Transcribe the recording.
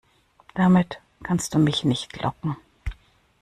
Damit kannst du mich nicht locken.